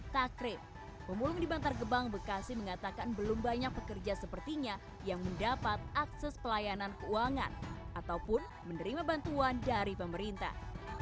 takrib pemulung di bantar gebang bekasi mengatakan belum banyak pekerja sepertinya yang mendapat akses pelayanan keuangan ataupun menerima bantuan dari pemerintah